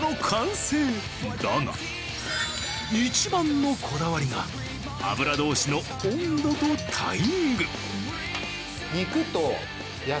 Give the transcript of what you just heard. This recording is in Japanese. だが一番のこだわりが油通しの温度とタイミング。